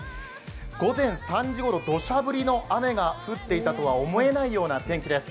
午前３時ごろ、土砂降りの雨が降っていたとは思えないような天気です。